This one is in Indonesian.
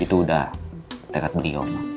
itu udah dekat beliau mak